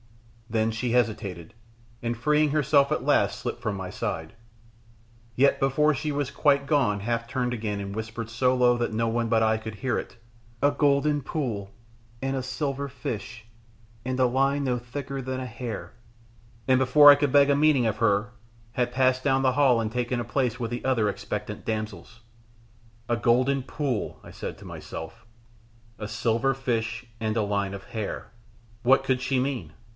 Then she hesitated, and freeing herself at last slipped from my side, yet before she was quite gone half turned again and whispered so low that no one but I could hear it, "A golden pool, and a silver fish, and a line no thicker than a hair!" and before I could beg a meaning of her, had passed down the hall and taken a place with the other expectant damsels. "A golden pool," I said to myself, "a silver fish, and a line of hair." What could she mean?